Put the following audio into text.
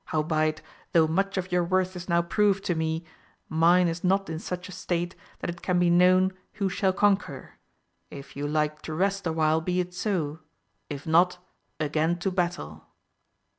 howbeit, though much of your worth is now proved to me, mine is not in such state that it can be known who shall conquer ; if you like to rest a while be it so, if not, again to battle